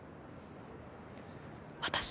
私